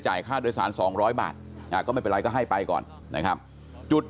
ค่าโดยสาร๒๐๐บาทก็ไม่เป็นไรก็ให้ไปก่อนนะครับจุด